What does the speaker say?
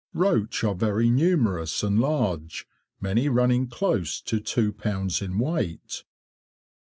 Roach are very numerous and large, many running close to two pounds in weight.